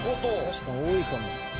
確かに多いかも。